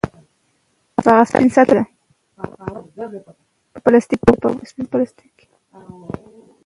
هغه د جګړې په ډګر کې خپله مېړانه ثابته کړه.